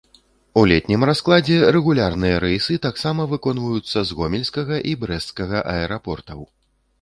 У летнім раскладзе рэгулярныя рэйсы таксама выконваюцца з гомельскага і брэсцкага аэрапортаў.